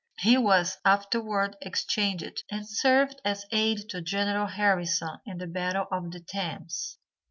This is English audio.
He was afterward exchanged and served as aid to General Harrison in the battle of the Thames.